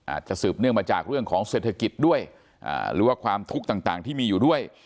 สืบเนื่องมาจากเรื่องของเศรษฐกิจด้วยหรือว่าความทุกข์ต่างที่มีอยู่ด้วย